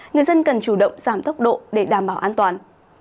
người dân cần chủ động giảm tốc độ để đảm bảo an toàn